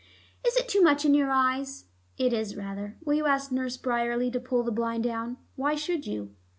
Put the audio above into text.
"Is it too much in your eyes?" "It is rather. Will you ask Nurse Bryerley to pull the blind down? Why should you?"